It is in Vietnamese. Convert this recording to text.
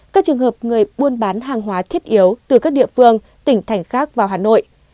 các trường hợp người buôn bán hàng hóa thiết yếu từ các địa phương tỉnh thành khác vào hà nội